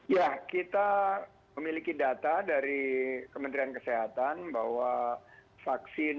ya kita memiliki data dari kementerian kesehatan bahwa vaksin